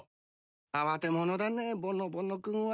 慌て者だねぼのぼの君は。